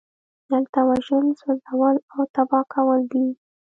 دلته وژل سوځول او تباه کول دي